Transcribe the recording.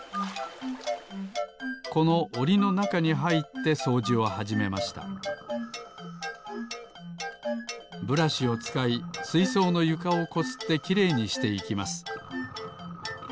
このおりのなかにはいってそうじをはじめましたブラシをつかいすいそうのゆかをこすってきれいにしていきます